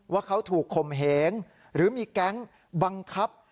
ว่าเขาถูกข่มเหงหรือมีแก๊งบังคับ